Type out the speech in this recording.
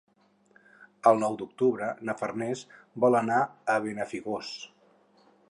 El nou d'octubre na Farners vol anar a Benafigos.